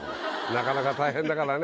なかなか大変だからね。